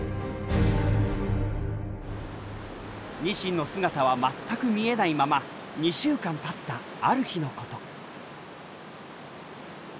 ニシンの姿は全く見えないまま２週間たったある日のこと。